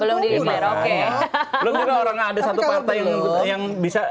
belum ada satu partai yang bisa